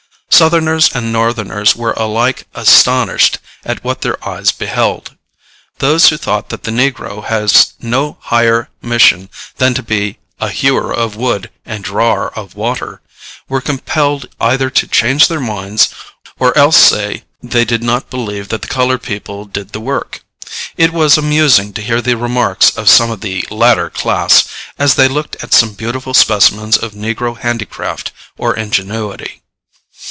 Southerners and Northerners were alike astonished at what their eyes beheld. Those who thought that the negro has no higher mission than to be a "hewer of wood and drawer of water," were compelled either to change their minds or else to say they did not believe that the colored people did the work. It was amusing to hear the remarks of some of the latter class, as they looked at some beautiful specimens of negro handicraft or ingenuity.